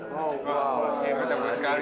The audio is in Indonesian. wow keren sekali